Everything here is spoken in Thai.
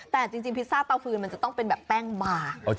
แต่จริงพิซซ่าเตาฟืนมันจะต้องเป็นแบบแป้งบาง